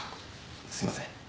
すいません。